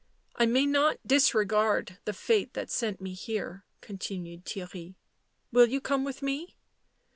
" I may not disregard the fate that sent me here," continued Theirry. "Will you come with me?